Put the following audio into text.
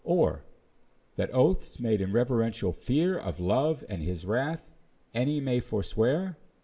Or, that oaths made in reverential fear Of Love and his wrath any may forswear?